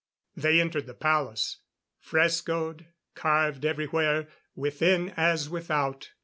They entered the palace. Frescoed; carved everywhere, within as without.